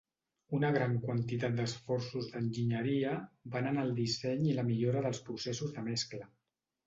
Una gran quantitat d'esforços d'Enginyeria va en el disseny i la millora dels processos de mescla.